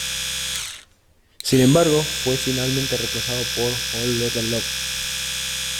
Sin embargo, fue finalmente reemplazado por "Whole Lotta Love".